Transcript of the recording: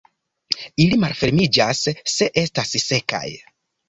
Ili malfermiĝas se estas sekaj.